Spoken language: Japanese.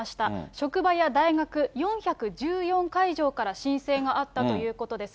職場や大学、４１４会場から申請があったということです。